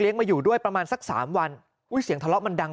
มาอยู่ด้วยประมาณสักสามวันอุ้ยเสียงทะเลาะมันดัง